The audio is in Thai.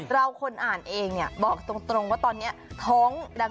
เราคนอ่านเองเนี่ยบอกตรงว่าตอนนี้ท้องแรง